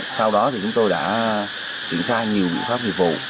sau đó chúng tôi đã kiểm tra nhiều biện pháp hiệp vụ